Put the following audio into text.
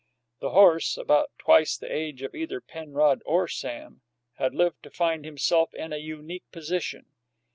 This horse, about twice the age of either Penrod or Sam, had lived to find himself in a unique position.